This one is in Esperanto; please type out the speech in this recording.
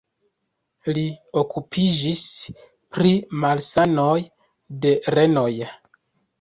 Li okupiĝis pri malsanoj de renoj.